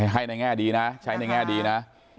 ให้ในแง่ดีนะใช้ในแง่ดีนะ